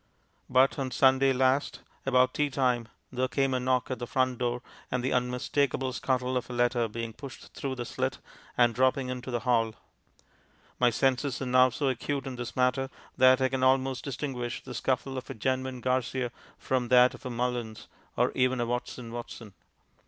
But on Sunday last, about tea time, there came a knock at the front door and the unmistakable scuttle of a letter being pushed through the slit and dropping into the hall, My senses are now so acute in this matter, that I can almost distinguish the scuffle of a genuine Garcia from that of a Mullins or even a Watson Watson.